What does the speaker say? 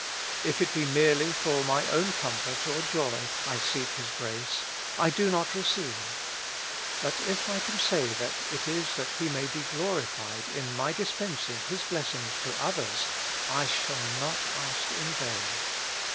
If it be merely for my own comfort or joy I seek His grace, I do not receive. But if I can say that it is that He may be glorified in my dis pensing His blessings to others, I shall not ask in vain.